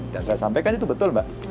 dan saya sampaikan itu betul mbak